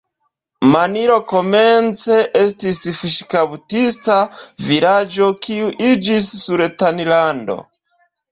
Manilo komence estis fiŝkaptista vilaĝo, kiu iĝis sultanlando.